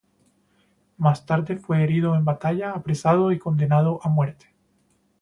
Más tarde fue herido en batalla, apresado y condenado a muerte.